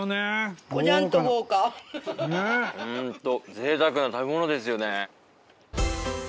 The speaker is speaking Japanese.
ホントぜいたくな食べ物ですよね。